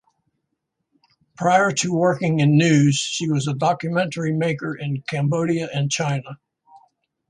Prior to working in news, she was a documentary maker in Cambodia and China.